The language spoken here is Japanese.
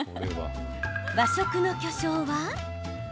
和食の巨匠は。